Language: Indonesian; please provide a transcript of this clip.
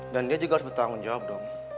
dan dia juga harus bertanggung jawab dong